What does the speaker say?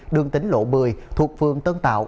đường tính lộ một mươi thuộc phương tân tạo